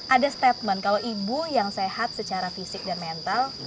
ada statement kalau ibu yang sehat secara fisik dan mental